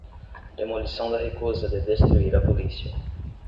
Demolição da recusa de destruir a polícia